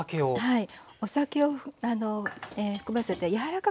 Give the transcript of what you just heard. はい。